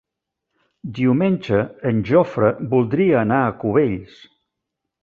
Diumenge en Jofre voldria anar a Cubells.